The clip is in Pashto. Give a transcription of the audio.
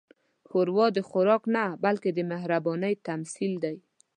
ښوروا د خوراک نه، بلکې د مهربانۍ تمثیل دی.